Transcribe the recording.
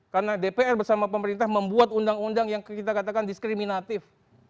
karena dpr bersama pemerintah membuat undang undang yang kita katakan diskriminatif